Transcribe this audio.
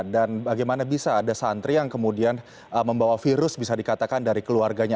dan bagaimana bisa ada santri yang kemudian membawa virus bisa dikatakan dari keluarganya